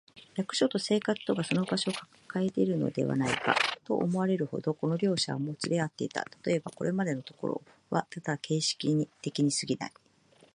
役所と生活とがその場所をかえているのではないか、と思われるほど、この両者はもつれ合っていた。たとえば、これまでのところはただ形式的にすぎない、